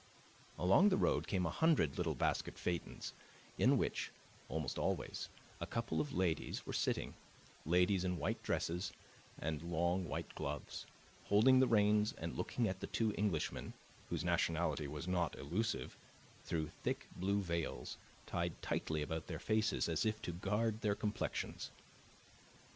Along the road came a hundred little basket phaetons, in which, almost always, a couple of ladies were sitting ladies in white dresses and long white gloves, holding the reins and looking at the two Englishmen, whose nationality was not elusive, through thick blue veils tied tightly about their faces as if to guard their complexions.